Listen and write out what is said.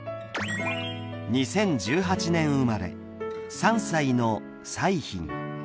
２０１８年生まれ３歳の彩浜